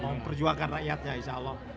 memperjuangkan rakyatnya insya allah